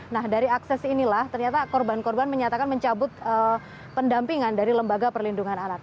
nah dari akses inilah ternyata korban korban menyatakan mencabut pendampingan dari lembaga perlindungan anak